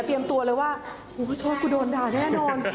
เตรียมตัวเลยว่าโอ้โฮขอโทษกูโดนด่าแน่นอน